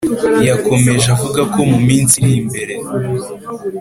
Yakomeje avuga ko mu minsi iri imbere